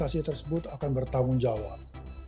aplikasi tersebut akan bertanggung jawab